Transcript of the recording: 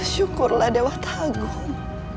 syukurlah dewa tagung